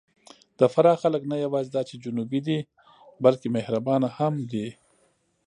د فراه خلک نه یواځې دا چې جنوبي دي، بلکې مهربانه هم دي.